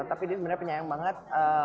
tapi dia sebenarnya penyayang banget